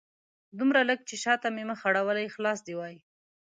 دومره لږ چې شاته مې مخ اړولی خلاص دې وای